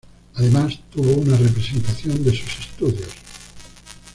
Además, tuvo una representación de sus estudios.